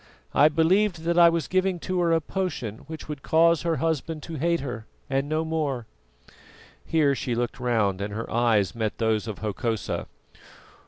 I believed that I was giving to her a potion which would cause her husband to hate her and no more." Here she looked round and her eyes met those of Hokosa.